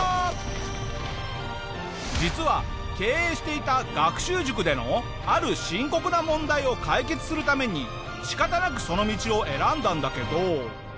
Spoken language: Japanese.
実は経営していた学習塾でのある深刻な問題を解決するために仕方なくその道を選んだんだけど。